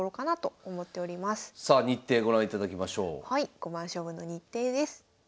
五番勝負の日程です。